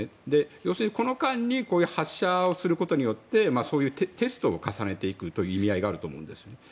要するに、この間にこういう発射をすることによってそういうテストを重ねていくという意味合いがあると思うんですね。